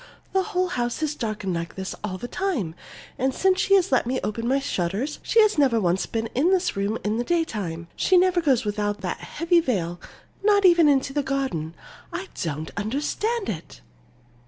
The whole house is darkened like this all the time, and since she let me open my shutters, she's never once been in this room in the daytime. She never goes out without that heavy veil, not even into the garden. I don't understand it!"